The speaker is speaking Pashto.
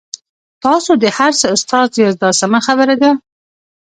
تاسو د هر څه استاد یاست دا سمه خبره ده.